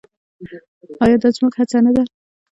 آیا دا زموږ هڅه نه ده؟